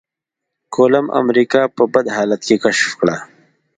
کولمب امريکا په بد حالاتو کې کشف کړه.